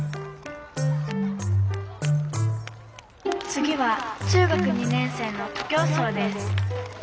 「次は中学２年生の徒競走です」。